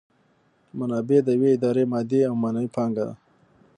منابع د یوې ادارې مادي او معنوي پانګه ده.